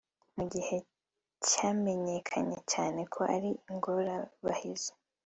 mugihe cyamenyekanye cyane ko ari ingorabahizi